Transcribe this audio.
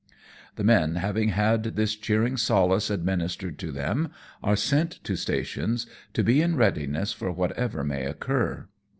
117 The men having had this cheering solace adminis tered to them are sent to stations^ to be in readiness for whatever may occur.